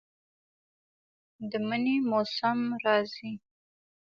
د منی موسم راځي